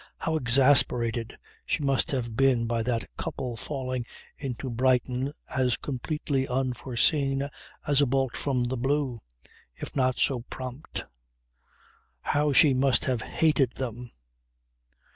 How exasperated she must have been by that couple falling into Brighton as completely unforeseen as a bolt from the blue if not so prompt. How she must have hated them!